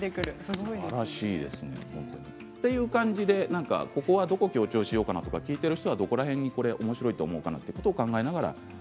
すばらしいです。という感じでどこを強調しようかなと聞いている人はどこをおもしろいと思うかなということを考えながら。